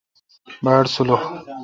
باڑسولح۔